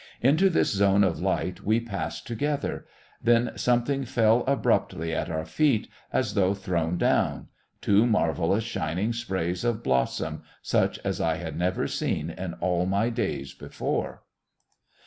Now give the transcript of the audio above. Into this zone of light we passed together. Then something fell abruptly at our feet, as though thrown down ... two marvellous, shining sprays of blossom such as I had never seen in all my days before!